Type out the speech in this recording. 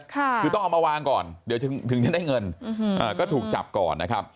คือต้องเอามาวางก่อนเดี๋ยวถึงจะได้เงินก็ถูกจับก่อนนะครับ